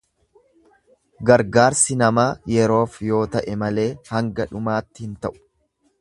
Gargaarsi namaa yeroof yoo ta'e malee hanga dhumaatti hin ta'u.